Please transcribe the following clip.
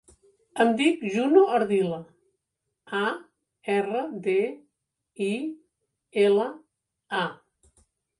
Em dic Juno Ardila: a, erra, de, i, ela, a.